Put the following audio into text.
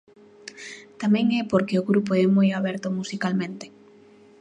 Tamén é porque o grupo é moi aberto musicalmente.